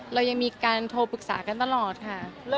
เรายังมีการโทรปรึกษากันตลอดค่ะ